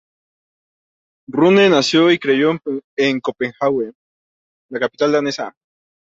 Rune nació y creció en Copenhague, la capital danesa.